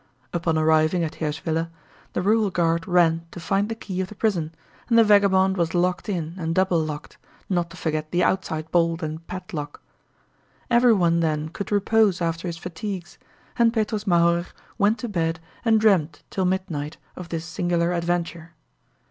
Upon arriving at Hirschwiller the rural guard ran to find the key of the prison and the vagabond was locked in and double locked, not to forget the outside bolt and padlock. Everyone then could repose after his fatigues, and Petrus Mauerer went to bed and dreamed till midnight of this singular adventure.